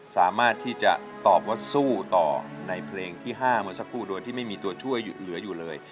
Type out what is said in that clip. สามารถที่จะตอบว่าสู้ต่อในเพลงที่๕เมื่อสักครู่โดยที่ไม่มีตัวช่วยเหลืออยู่เลย